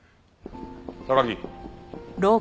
榊。